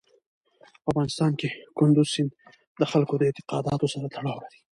په افغانستان کې کندز سیند د خلکو د اعتقاداتو سره تړاو لري.